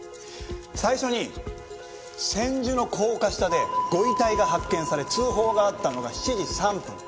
最初に千住の高架下でご遺体が発見され通報があったのが７時３分。